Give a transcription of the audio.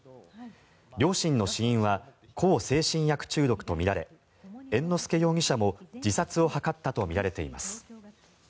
両親の死因は向精神薬中毒とみられ猿之助容疑者も自殺を図ったとみられています。